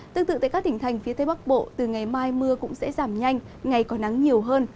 tương tự tại các tỉnh thành phía tây bắc bộ từ ngày mai mưa cũng sẽ giảm nhanh ngày có nắng nhiều hơn